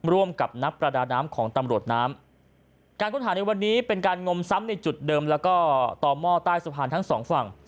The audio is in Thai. ร่วมกับนักประดาน้ำของตำรวจน้ำการค้นหาในวันนี้เป็นการงมซ้ำในจุดเดิมแล้วก็ต่อหม้อใต้สะพานทั้งสองฝั่ง